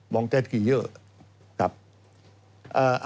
มองแจ้งเกียรติเยอะ